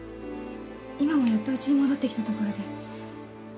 今もやっと家に戻ってきたところで。